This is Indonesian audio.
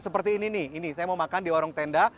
seperti ini nih ini saya mau makan di warung tenda